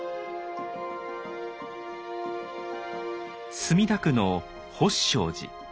墨田区の法性寺。